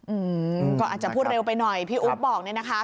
อืมก็อาจจะพูดเร็วไปหน่อยพี่อุ๊บบอกเนี่ยนะคะ